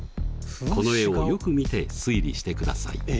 この絵をよく見て推理してください。